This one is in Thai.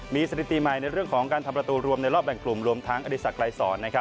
มีสถิติใหม่ในเรื่องของการทำประตูรวมในรอบแบ่งกลุ่มรวมทั้งอดีศักดรายสอน